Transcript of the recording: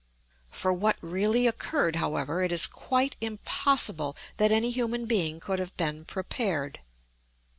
For what really occurred, however, it is quite impossible that any human being could have been prepared.